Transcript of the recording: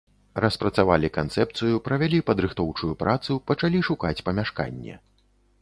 Распрацавалі канцэпцыю, правялі падрыхтоўчую працу, пачалі шукаць памяшканне.